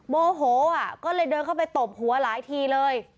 โมโหก็เลยเดินเข้าไปตบหัวหลายทีเลย